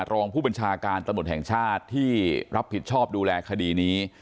รองผู้บัญชาการตำรวจแห่งชาติที่รับผิดชอบดูแลคดีนี้